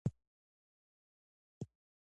د آیفون مبایل مایکروفون او کامره ډیره عالي ده